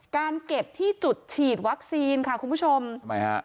การเก็บที่จุดฉีดวัคซีนค่ะคุณผู้ชมทำไมฮะ